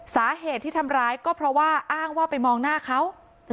สาเหตุที่ทำร้ายก็เพราะว่าอ้างว่าไปมองหน้าเขา